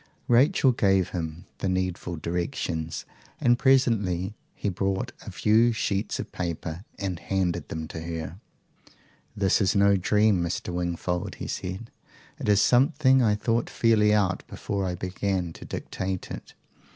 Rachel gave him the needful directions, and presently he brought a few sheets of paper, and handed them to her. "This is no dream, Mr. Wingfold," he said. "It is something I thought fairly out before I began to dictate it.